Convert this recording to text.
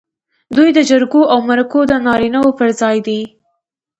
دوی د جرګو او مرکو د نارینه و پر ځای دي.